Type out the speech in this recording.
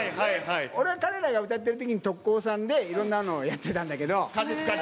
俺は彼らが歌ってるときに、特効さんでいろんなのやってたんだけど。